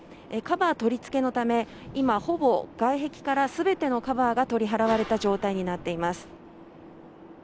カバー取り付けのため今ほぼ外壁からすべてのカバーが取り払われた状態になっています